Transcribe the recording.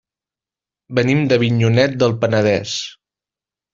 Venim d'Avinyonet del Penedès.